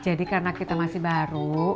jadi karena kita masih baru